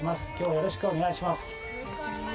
よろしくお願いします。